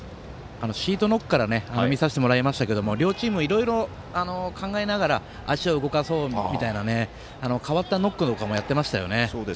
シートノックから見させてもらいましたけど両チーム、いろいろ考えながら足を動かそうみたいな変わったノックとかもやってましたよね。